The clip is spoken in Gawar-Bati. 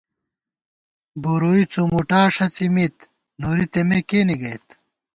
بُورُوئی څُومُوٹا ݭَڅی مِت ، نوری تېمے کېنے گَئیت